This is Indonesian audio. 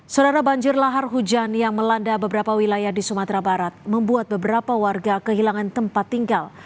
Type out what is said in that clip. saudarana banjir lahar hujan yang melanda beberapa wilayah di sumatera barat membuat beberapa warga kehilangan tempat tinggal